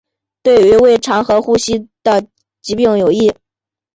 对于胃肠和呼吸的疾病有益。